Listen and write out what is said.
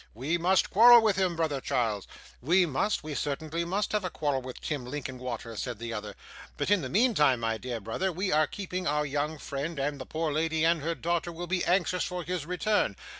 We must quarrel with him, brother Charles.' 'We must. We certainly must have a quarrel with Tim Linkinwater,' said the other. 'But in the meantime, my dear brother, we are keeping our young friend; and the poor lady and her daughter will be anxious for his return.